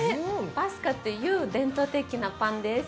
パスカっていう伝統的なパンです。